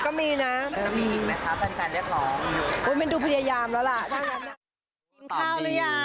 เหมือนดูพลียามแล้วล่ะ